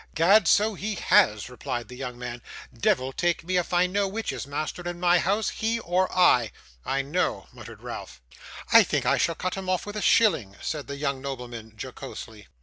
''Gad, so he has,' replied the young man; 'deyvle take me if I know which is master in my house, he or I.' 'I know,' muttered Ralph. 'I think I shall cut him off with a shilling,' said the young nobleman, jocosely.